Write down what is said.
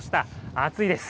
暑いです。